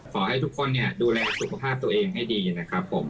ขอให้ทุกคนดูแลสุขภาพตัวเองให้ดีนะครับผม